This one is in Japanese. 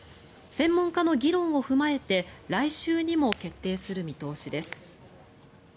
専門家の議論を踏まえて来週にも決定する見通しです。